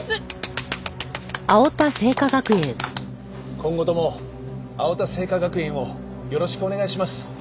今後とも青田製菓学園をよろしくお願いします。